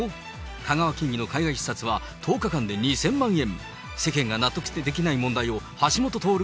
香川県議の海外視察は１０日間で２０００万円。